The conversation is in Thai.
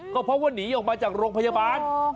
ก็เพราะว่าหนีออกมาจากโรงพยาบาล